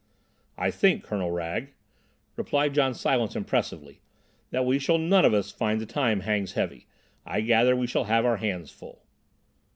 "I think, Colonel Wragge," replied John Silence impressively, "that we shall none of us find the time hangs heavy. I gather we shall have our hands full."